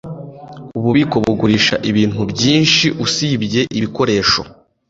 Ububiko bugurisha ibintu byinshi usibye ibikoresho